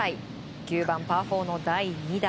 ９番、パー４の第２打。